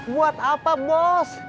buat apa bos